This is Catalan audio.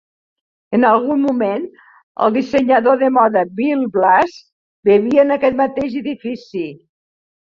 En algun moment, el dissenyador de moda Bill Blass vivia en aquest mateix edifici.